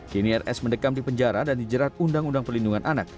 kini rs mendekam di penjara dan dijerat undang undang perlindungan anak